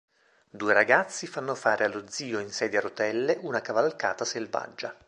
Due ragazzi fanno fare allo zio in sedia a rotelle una cavalcata selvaggia.